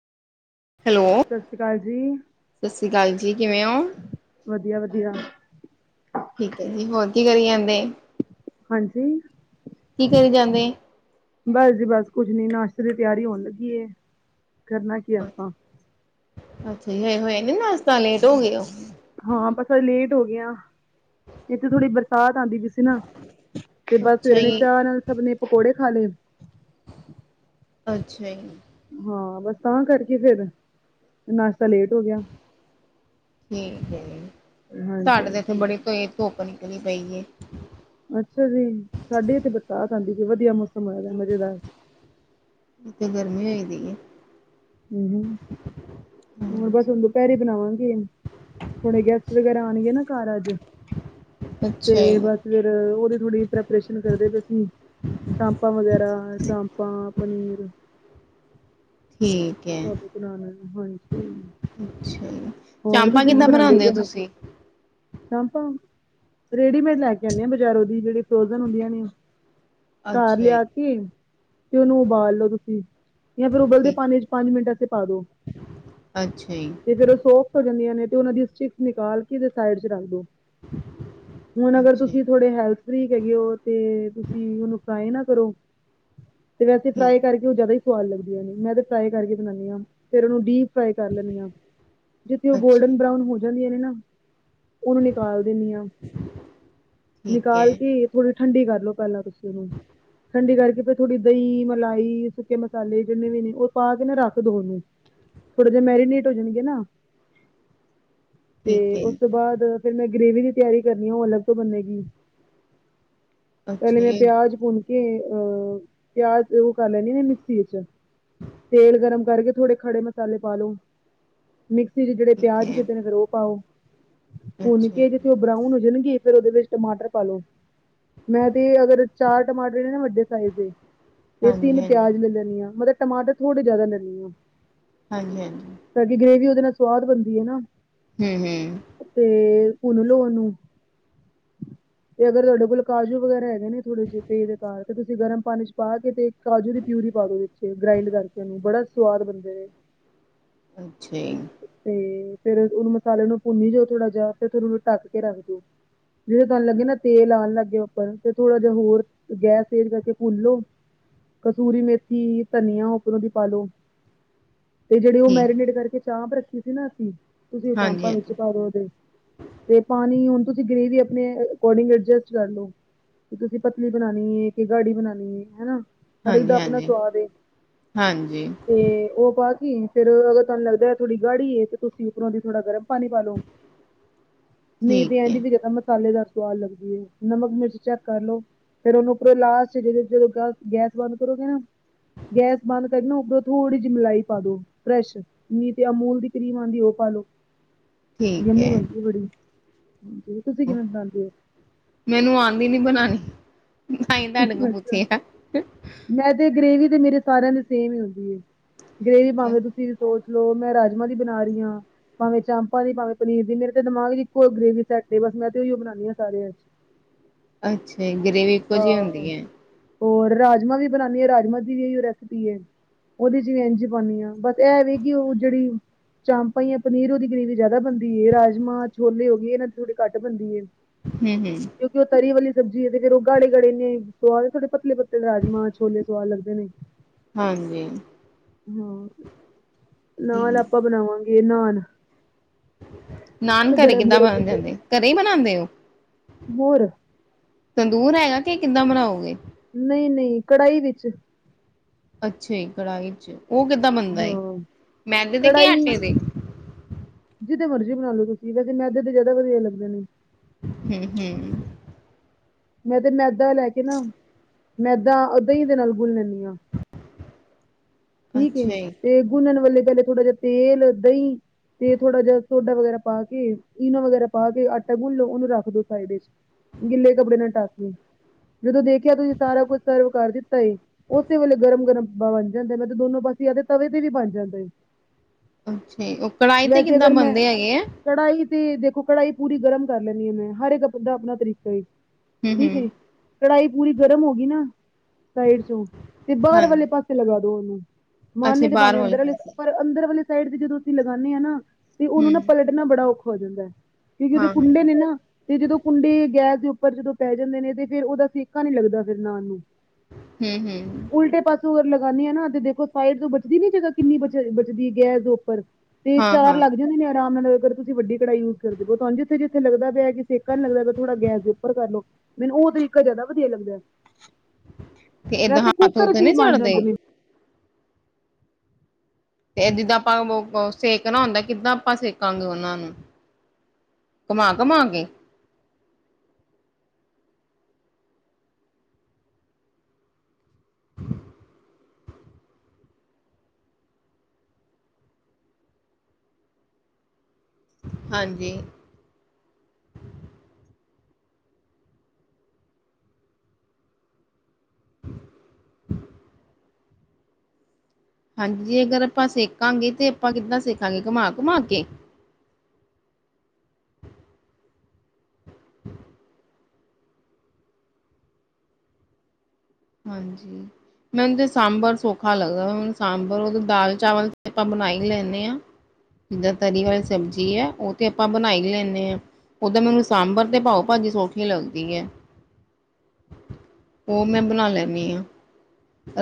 Hello, ਸਤਿ ਸ਼੍ਰੀ ਅਕਾਲ ਜੀ, ਸਸ੍ਰੀ ਕਾਲ ਜੀ, ਕਿਵੇਂ ਓ? ਵਦੀਆ, ਵਦੀਆ। ਠੀਕ ਐ ਜੀ, ਹੋਰ ਕੀ ਕਰੀ ਆਂਦੇ? ਹਾਂਜੀ। ਕੀ ਕਰੀ ਜਾਂਦੇ? ਬਾੱਸ ਜੀ ਬਾੱਸ ਕੁੱਝ ਨੀ, ਨਾਸ਼ਤੇ ਦੀ ਤਿਆਰੀ ਹੋਨ ਲੱਗੀ ਏ, ਕਰਨਾ ਕੀ ਏ ਆਪਾਂ। ਅੱਛਾ ਜੀ, ਹਏ ਹੋਏਆ ਨੀ ਨਾਸ਼ਤਾ, ਲੇਟ ਹੋਗੇ ਓ? ਹਾਂ ਬਸ ਲੇਟ ਹੋਗੇਆਂ, ਇੱਥੇ ਥੋੜੀ ਬਰਸਾਤ ਆਂਦੀ ਪੀ ਸੀ। ਈ ਤਨਾ, ਤੇ ਬਾੱਸ ਅੱਛਾ ਸਵੇਰੇ ਜੀ ਚਾਅ ਨਾਲ ਸਥ ਨੇ ਪਕੌੜੇ ਖਾ ਲੇ। ਅੱਛਾ ਜੀ। ਹਾਂ ਬਾੱਸ ਤਾਂ ਕਾਰਕੇ, ਫੇਰ ਨਾਸ਼ਤਾ ਲੇਟ ਹੋ ਗੇਆ। ਠੀਕ ਏ, ਸਾਡੇ ਤੇ ਏਥੇ ਹਾਂਜੀ-ਹਾਂਜੀ। ਬੜੀ ਕੋਈ ਧੁੱਪ ਨਿਕਲੀ ਪਈ ਏ। ਅੱਛਾ ਜੀ, ਸਾਡੇ ਏਥੇ ਬਰਸਾਤ ਆਂਦੀ ਪੀਏ, ਵਦੀਆ ਮੌਸਮ ਹੋਏਆ ਪੇਐ ਮਜੇਦਾਰ। ਇਥੇ ਗਰਮੀ ਹੋਈ ਦੀ ਏ। ਹੂੰ, ਹੂਣ ਬਾੱਸ ਹਾਂਜੀ ਹੂਨ ਦੂਪੈਰੀ ਬਨਾਵਾਂਗੀ। ਹੂਣੇ ਗੈਸਟ ਵਗੈਰਾ ਆਨਗੇ ਨਾਂ ਘਾਰ ਆੱਜ, ਤੇ ਅੱਛਾ ਜੀ ਬੱਸ। ਫੇਰ ਓਦੀ ਥੋੜੀ ਪ੍ਰੈਪਰੇਸ਼ਨ ਕਰਦੇ ਪੇ ਸੀ। ਚਾਮਪਾਂ ਵਗੈਰਾ, ਚਾਮਪਾਂ, ਪਨੀਰ ਠੀਕ। ਹੈ ਸਬ ਬਨਾਨੇ, ਹਾਂਜੀ। ਅੱਛਾ, ਹੋਰ ਚਾਮਪਾਂ ਤੁਸੀਂ ਕਿੱਦਾਂ ਬਨਾਂਦੇ ਓ ਤੂਸੀ? ਚਾੰਪਾਂ? ਰੇਡੀਮੇਡ ਲੈ ਕੇ ਆਨੀ ਆ ਬਜਾਰੋ ਦੀ, ਜੇੜੀ ਫਰੋਜਨ ਹੁੰਦੀਆਂ ਨੇ। ਘਾਰ ਅੱਛਾ ਜੀ ਲੇਆ ਕੇ, ਤੇ ਓਨੂੰ ਉਬਾਲ ਲੋੋ ਤੂਸੀ ਯਾ ਫੇਰ ਉਬਲਦੇ ਠੀਕ ਪਾਨੀ ਚ ਪੰਜ ਮਿੰਟ ਅਸੇ ਪਾ ਦੋ, ਅੱਛਾ ਜੀ ਤੇ ਫੇਰ ਸੋਫਟ ਹੋ ਜਾਂਦੀਏ ਨੇ, ਤੇ ਓਨਾਂ ਦੀ ਸਟਿਕਸ ਨਿਕਾਲ ਕੇ ਫੇਰ ਸਾਈਡ ਚ ਰਾੱਖ ਦੋ। ਹੁਣ ਅਗਰ ਅੱਛਾ ਜੀ, ਤੂਸੀ ਥੋੜੇ ਹੈਲਥ ਫਰੀਕ ਹੈਗੇ ਓ, ਤੇ ਤੂਸੀ ਉਨੂੰ ਫਰਾਏ ਨਾ ਕਰੋ, ਤੇ ਵੈਸੇ ਫਰਾਈ ਠੀਕ ਕਾਰ ਫੇ ਜਾਦਾ ਈ ਸਵਾਦ ਲੱਗਦੀਆਂ ਨੇ, ਮੈਂ ਤੇ ਫਰਾਈ ਕਾਰਕੇ ਬਨਾਂਨੀ ਆਂ, ਫੇਰ ਓਨੂੰ ਡੀਪ ਫਰਾਈ ਕਾਰ ਲੈਂਨੀ ਆਂ, ਜਿਥੇ ਓ ਅੱਛਾ ਗੋਲਡਨ ਜੀ, ਬਰਾਉਨ ਹੋ ਜਾਂਦੀਏ ਨੇ ਨਾ ਓਨੂੰ ਨਿਕਾਲ ਦੇਨੀ ਆਂ, ਠੀਕ ਹੈ ਨਿਕਾਲ ਕੇ ਥੋੜੀ ਠੰਡੀ ਕਾਰਲੋ ਪੈਲਾਂ ਤੂਸੀ। ਚਲੋ, ਠੰਡੀ ਕਾਰਕੇ ਫੇਰ ਥੋੜੀ ਦਹੀਂ, ਮਲਾਈ, ਸੁੱਕੇ ਮਸਾਲੇ ਜਿੰਨੇ ਵੀ ਨੇ, ਓ ਪਾ ਕੇ ਨਾ ਰਾੱਖ ਦੋ ਨਾ ਓਨੂ, ਥੋੜੇ ਜੇ ਮੈਰੀਨੇਟ ਹੋ ਜਨਗੇ ਨਾ। ਤੇ ਠੀਕ ਹੈ ਉਸ ਜੀ, ਤੋਂ ਬਾਦ ਫੇਰ ਮੈਂ ਗ੍ਰੇਵੀ ਦੀ ਤੇਆਰੀ ਕਰਨੀ ਆਂ, ਓ ਅਲੱਗ ਤੋਂ ਬੰਨੇਗੀ। ਪੈਲੇ ਅੱਛਾ ਮੈਂ ਜੀ, ਪੇਆਜ ਭੁੰਨ ਕੇ ਅ, ਪੇਆਜ ਓ ਕਾਰ ਲੈਨੀ ਨੀ ਮਿਕਸੀ ਏਚ। ਤੇਲ ਗਰਮ ਕਾਰਕੇ, ਥੋੜੇ ਖੜੇ ਮਸਾਲੇ ਪਾ ਲੋ। ਮਿਕਸੀ ਚ ਜੇੜੇ ਠੀਕ ਪੇਆਜ ਹੈ ਕਿਤੇ ਨੇ, ਫੇਰ ਓ ਪਾਓ ਭੁੰਨ ਅੱਛਾ ਕੇ ਜੀ, ਜਿੱਥੇ ਓ ਬਰਾਊਨ ਹੋ ਜਨਗੇ ਫੇਰ ਓਦੇ ਵੇਚ ਟਮਾਟਰ ਪਾਲੋ, ਮੈਂ ਤੇ ਅਗਰ ਚਾਰ ਟਮਾਟਰ ਨੇ ਨਾ ਵੱਡੇ ਚਾਈਦੇ ਤੇ ਤਿੰਨ ਹਾਂਜੀ-ਹਾਂਜੀ, ਪੇਆਜ ਲੈ ਲੈਨੀ ਆ, ਮਤਲਬ ਟਮਾਟਰ ਥੋੜੇ ਜਾਦਾ ਲੈਨੀ ਆਂ। ਹਾਂਜੀ-ਹਾਂਜੀ ਤਾਂ ਕੀ ਗ੍ਰੇਵੀ ਉਹਦੇ ਨਾਲ ਸਵਾਦ ਬਣਦੀ ਏ ਨਾ। ਹੂੰ-ਹੂੰ ਤੇ ਭੁੰਨ ਲੋ ਉਨੂੰ ਤੇ ਅਗਰ ਤੁਹਾਡੇ ਕੋਲ ਕਾਜੂ ਵਗੈਰਾ ਹੈ। ਨੇ ਥੋੜੇ ਜਿਹੇ ਪੇ ਦੇ ਕਾਰ ਤੇ ਤੁਸੀਂ ਗਰਮ ਪਾਣੀ ਵਿੱਚ ਪਾ ਕੇ ਤੇ ਕਾਜੂ ਦੀ ਪਿਊਰੀ ਪਾ ਦੋ ਵਿਚ ਤੇ ਗ੍ਰਾਈੰਡ ਕਰਕੇ ਉਹਨੂੰ ਬੜਾ ਸਵਾਦ ਬਣਦੇ ਨੇ। ਅੱਛਾ ਜੀ, ਤੇ ਫਿਰ ਉਹਨੂੰ ਮਸਾਲੇ ਨੂੰ ਭੁੰਨੀ ਜਾਓ ਥੋੜਾ ਜਿਹਾ ਫਿਰ ਉਹਨੂੰ ਢੱਕ ਕੇ ਰੱਖ ਦਿਉ। ਜਿਹੜੇ ਤੁਹਾਨੂੰ ਲੱਗੇ ਨਾ ਤੇਲ ਆਉਣ ਲੱਗੇ ਉੱਪਰ ਤੇ ਥੋੜ੍ਹਾ ਜਿਹਾ ਹੋਰ ਤੇ ਗੈਸ ਤੇਜ ਕਰਕੇ ਭੁੰਨ ਲੋ ਕਸੂਰੀ ਮੇਥੀ ਧਨੀਆ ਉਪਰੋ ਦੀ ਪਾਲੋ ਤੇ ਜਿਹੜੀ ਓ ਠੀਕ, ਮੈਰੀਨੇਟ ਕਰਕੇ ਚਾਪ ਰੱਖੀ ਸੀ ਨਾ ਅਸੀਂ ਤੁਸੀਂ ਓ ਚਾਂਪਾਂ ਵਿੱਚ ਹਾਂਜੀ-ਹਾਂਜੀ, ਪਾ ਦੋ ਉਹਦੇ ਤੇ ਪਾਣੀ ਹੁਣ ਤੁਸੀਂ ਗਰੇਵੀ ਆਪਣੇ ਅੋਡਿੰਗ ਅਡਜਸਟ ਕਰ ਲੋ। ਕਿ ਤੁਸੀਂ ਪਤਲੀ ਬਣਾਣੀ ਹੈ ਕਿ ਗਾੜੀ ਬਣਾਣੀ ਹੈ ਹਨਾ। ਹਾਂਜੀ-ਹਾਂਜੀ-ਹਾਂਜੀ ਤੇ ਓ ਪਾ ਕੇ ਫਿਰ ਅਗਰ ਤੁਹਾਨੂੰ ਲੱਗਦਾ ਹੈ ਥੋੜੀ ਗਾੜੀ ਤੇ ਤੁਸੀਂ ਉੱਪਰੋਂ ਦੀ ਥੋੜ੍ਹਾ ਗਰਮ ਪਾਣੀ ਪਾ ਲੋੋ। [inaudible] ਨਈ ਤੇ ਠੀਕ ਐਂਜ ਐ, ਦੀ ਜਾਦਾ ਮਸਾਲੇਦਾਰ ਸਵਾਦ ਲੱਗਦੀ ਏ ਨਮਕ ਮਿਰਚ ਚੈੱਕ ਕਰ ਲੋ। ਫਿਰ ਉਹਨੂੰ ਪੂਰੇ ਲਾਸਟ 'ਚ ਜ ਗੈਸ ਬੰਦ ਕਰੋਗੇ ਨਾ। ਗੈਸ ਬੰਦ ਕਰ ਨਾ ਉਪਰੋ ਥੋੜ੍ਹੀ ਜਿਹੀ ਮਲਾਈ ਪਾ ਦੋ ਫਰੈਸ਼ ਨੀ ਤੇ ਅਮੂਲ ਦੀ ਕਰੀਮ ਆਂਦੀ ਉਹ ਪਾਲੋ। ਠੀਕ ਜੰਮੀ ਐ, ਬਣਦੀ ਹੈ ਬੜੀ ਹ ਤੁਸੀਂ ਕਿਵੇਂ ਬਣਾਦੇ ਹੋ। ਮੈਨੂੰ ਆਂਦੀ ਨੀ ਬਣਾਣੀ। ਤਾਂ ਈ ਤੁਹਾਡੇ ਕੋਲ ਅੱਛਾ-ਅੱਛਾ ਪੁੱਛਿਆ। ਮੈਂ ਤੇ ਗਰੇਵੀ ਤੇ ਮੇਰੇ ਸਾਰਿਆਂ ਦੀ ਸੇਮ ਹੀ ਹੁੰਦੀ ਏ। ਗ੍ਰਰੇਵੀ ਭਾਵੇਂ ਤੁਸੀਂ ਸੋਚ ਲੋੋ ਮੈਂ ਰਾਜਮਾਂ ਦੀ ਬਣਾ ਰਈ ਆਂ। ਭਾਵੇਂ ਚਾਂਪਾਂ ਦੀ ਭਾਵੇ ਪਨੀਰ ਦੀ ਮੇਰੇ ਤੇ ਦਿਮਾਗ 'ਚ ਇੱਕੋ ਗਰੇਵੀ ਸੈਟ ਬਸ ਮੈਂ ਤੇ ਉਹੀਓ ਬਣਾਦੀ ਹਾਂ ਸਾਰਿਆਂ 'ਚ ਅੱਛਾ ਈ ਗ੍ਰੇਵੀ ਆਹ ਹੋਰ ਰਾਜਮਾਂ ਵੀ ਬਣਾਨੀ ਆ ਰਾਜਮਾਂ ਦੀ ਵੀ ਇਹੀ ਰੈਸਪੀ ਏ। ਉਹਦੇ 'ਚ ਵੀ ਇੰਝ ਪਾਣੀ ਆਂ ਬਸ ਇਹ ਵੀ ਕਿ ਓ ਜਿਹੜੀ ਚਾਂਪਾਂ ਜਾਂ ਪਨੀਰ ਉਹਦੀ ਗ੍ਰੇਵੀ ਜਾਦਾ ਬਣਦੀ ਏ ਰਾਜਮਾਂ ਛੋਲੇ ਹੋ ਗਏ ਇਹਨਾਂ ਦੀ ਥੋੜੀ ਘੱਟ ਬਣਦੀ ਏ। ਹੂੰ-ਹੂੰ ਕਿਉਂਕਿ ਉਹ ਤਰੀ ਵਾਲੀ ਸਬਜ਼ੀ ਹੈ ਫਿਰ ਗਾੜੇ-ਗਾੜੇ ਨੇ ਸਵਾਦ ਥੋੜੇ ਪਤਲੇ-ਪਤਲੇ ਰਾਜਮਾਂ ਛੋਲੇ ਸਵਾਦ ਲੱਗਦੇ ਨੇ। ਹਾਂਜੀ। ਹਾਂ ਨਾਲ ਆਪਾਂ ਠੀਕ। ਬਣਾਵਾਂਗੇ ਨਾਨ ਨਾਨ ਘਰੇ ਗਰਮ ਕਿੱਦਾਂ ਬਣ ਜਾਂਦੇ ਗਰਮ ਘਰੇ ਹੀ ਬਣਾਂਦੇ ਓ। ਹੋਰ ਤੰਦੂਰ ਹੈਗਾ ਕਿ ਕਿੱਦਾਂ ਬਣਾਓਗੇ। ਨਈ-ਨਈ ਕੜਾਹੀ ਵਿੱਚ ਅੱਛਾ ਜੀ ਕੜਾਹੀ 'ਚ ਉਹ ਕਿੱਦਾਂ ਬਣਦਾ ਏ ਹਾਂ ਮੈਦੇ ਦੇ ਕੇ ਆਟੇ ਦੇ। ਜਿਦੇ ਮਰਜ਼ੀ ਬਣਾ ਲਓ ਤੁਸੀ ਵੈਸੇ ਮੈਦੇ ਦੇ ਜਾਦਾ ਵਧੀਆ ਲੱਗਦੇ ਨੇ। ਹੂੰ-ਹੂੰ ਮੈਂ ਤੇ ਮੈਦਾ ਲੈ ਕੇ ਨਾ ਮੈਦਾ ਓ ਦਹੀ ਦੇ ਨਾਲ ਗੁਨ ਲੈਂਣੀ ਆਂ। ਠੀਕ ਅੱਛਾ ਏ ਜੀ। ਤੇ ਗੁੰਨਣ ਵੇਲੇ ਪੈਲੇ ਥੋੜ੍ਹਾ ਜਿਹਾ ਤੇਲ ਦਹੀਂ ਤੇ ਥੋੜਾ ਜਿਹਾ ਸੋਡਾ ਵਗੈਰਾ ਪਾ ਕੇ ਇਨੋ ਵਗੈਰਾ ਪਾ ਕੇ ਆਟਾ ਗੁੰਨ ਲੋ ਉਹਨੂੰ ਰੱਖ ਦੋ ਸਾਈਡ 'ਚ ਗਿੱਲੇ ਕੱਪੜੇ ਨਾਲ ਢੱਕ ਕੇ ਜਦੋਂ ਦੇਖਿਆ ਤੁਸੀਂ ਸਾਰਾ ਕੁਝ ਸਰਵ ਕਰ ਦਿੱਤਾ ਏ। ਉਸੇ ਵੇਲੇ ਗਰਮ-ਗਰਮ ਬਣ ਜਾਂਦਾ ਮੈ ਤੇ ਦੋਨੋ ਪਾਸੇ ਆ ਤਵੇ ਤੇ ਵੀ ਬਣ ਜਾਂਦਾ ਏ। ਅੱਛਾ ਉਹ ਕੜਾਹੀ ਤੇ ਵੈਸੇ ਕਿੱਦਾਂ ਅਗਰ ਮੈਂ ਬਣਦੇ ਹੈਗੇ ਆ ਕੜਾਹੀ ਤੇ ਦੇਖੋ ਕੜਾਹੀ ਪੂਰੀ ਗਰਮ ਕਰ ਲੈਂਣੀ ਹਾਂ ਮੈਂ ਹਰ ਇੱਕ ਆਪ ਦਾ ਆਪਣਾ ਤਰੀਕਾ ਠੀਕ ਹੈ ਹੂੰ-ਹੂੰ, ਕੜਾਈ ਪੂਰੀ ਗਰਮ ਹੋ ਗਈ ਨਾ ਸਾਈਡ ਚੋਂ ਤੇ ਬਾਹਰ ਵਾਲੇ ਹਾਂਜੀ। ਪਾਸੇ ਤੇ ਲਗਾ ਦੋ ਉਹਨੂੰ ਅੱਛਾ ਮਨੇ ਤੇ ਬਾਹਰ ਭਾਵੇਂ ਵਾਲੇ ਅੰਦਰੇ ਪਾਸੇ, ਪਰ ਅੰਦਰ ਵਾਲੇ ਸਾਈਡ ਤੇ ਜਦੋਂ ਅਸੀਂ ਲਗਾਉਂਦੇ ਹਾਂ ਨਾ ਤੇ ਉਹਨੂੰ ਹੂੰ, ਨਾ ਪਲਟਣਾ ਬੜਾ ਔਖਾ ਹੋ ਜਾਂਦਾ ਹੈ। ਕਿਉਂਕਿ ਉਹਦੇ ਹਾਂ-ਹਾਂ, ਕੁੰਡੇ ਨੇ ਨਾ ਤੇ ਜਦੋਂ ਕੁੰਡੇ ਗੈਸ ਦੇ ਉੱਪਰ ਜਦੋਂ ਪੈ ਜਾਂਦੇ ਨੇ ਤੇ ਫਿਰ ਉਹਦਾ ਸੇਕਾ ਨੀ ਲੱਗਦਾ ਫਰ ਨ ਨੂੰ ਹਮ ਹਮ ਉਲਟੇ ਪਾਸੋਂ ਅਗਰ ਲਗਾਉਂਦੇ ਹਾਂ ਨਾ ਤੇ ਦੇਖੋ ਸਾਈਡ ਤੋਂ ਬਚਦੀ ਨੀ ਜਗਾ ਕਿੰਨੀ ਬਚਦੀ ਗੈਸ ਦੇ ਉੱਪਰ ਤੇ ਚਾਰ ਹਾਂ-ਹਾਂ। ਲੱਗ ਜਾਂਦੇ ਨੇ ਆਰਾਮ ਨਾਲ ਤੁਸੀ ਵੱਡੀ ਕੜਾਈ ਯੂਸ ਕਰਦੇ ਹੋ ਜਿੱਥੇ ਜਿੱਥੇ ਲਗਦਾ ਪਿਆ ਕਿ ਸੇਕਾ ਨੀ ਲਗਦਾ ਥੋੜਾ ਗੈਸ ਦੇ ਉਪਰ ਕਰ ਲੋ ਮੈਨੂੰ ਉਹ ਤਰੀਕਾ ਜਿਆਦਾ ਵਧੀਆ ਲੱਗਦਾ ਤੇ ਏਦਾਂ ਵੈਸੇ ਹੱਥ ਕੁੱਕਰ ਹੁਥ ਚ ਵੀ ਨੀ ਬਣ ਚੜਦੇ? ਜਾਂਦੇ ਨੇ ਤੇ ਜਿੱਦਾਂ ਆਪਾਂ ਸੇਕਣਾ ਹੁੰਦਾ ਕਿੱਦਾਂ ਆਪਾਂ ਸੇਕਾਂਗੇ ਉਹਨਾਂ ਨੂੰ। ਘੁੰਮਾ ਘੁਮਾਗੇ। ਹ। ਹਾਂਜੀ। ਹਾਂਜੀ ਅਗਰ ਆਪਾਂ ਸੇਕਾਂਗੇ ਤੇ ਆਪਾਂ ਕਿੱਦਾਂ ਸੇਖਾਂਗੇ ਘੁੰਮਾ ਘੁਮਾ ਕੇ। ਹਾ ਹਾਂਜੀ। ਮੈਨੂੰ ਤੇ ਸਾਂਬਰ ਸੌਖਾ ਲੱਗਦਾ ਮੈਨੂੰ ਸਾਂਬਰ ਦਾਲ ਚਾਵਲ ਆਪਾਂ ਬਣਾਈ ਹੀ ਲੈਂ ਨੇ ਆ। ਜਿੱਦਾਂ ਤਰੀ ਵਾਲੀ ਸਬਜ਼ੀ ਹੈ ਉਹ ਤੇ ਆਪਾਂ ਬਣਾਈ ਹੀ ਲੈਂਨੇ ਹਾਂ। ਓਦਾਂ ਮੈਨੂੰ ਸਾਂਬਰ ਤੇ ਭਾਓ ਭਾਜੀ ਸੌਖੀ ਲੱਗਦੀ ਹੈ। ਉਹ ਮੈਂ ਬਣਾ ਲੈਨੀ ਆਂ।